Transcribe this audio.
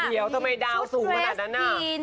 เดี๋ยวทำไมดาวสูงมากนั้นน่ะชุดเตรสกิน